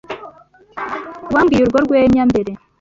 Wambwiye urwo rwenya mbere.